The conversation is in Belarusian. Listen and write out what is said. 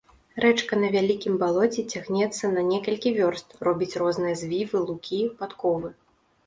Рэчка на вялікім балоце цягнецца на некалькі вёрст, робіць розныя звівы, лукі, падковы.